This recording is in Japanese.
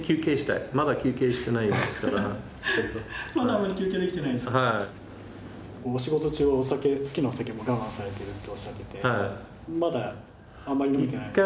あんまり何かはいお仕事中はお酒好きなお酒も我慢されてるっておっしゃっててまだあんまり飲めてないですか？